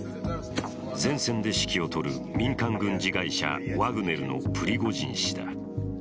前線で指揮をとる民間軍事会社ワグネルのプリゴジン氏だ。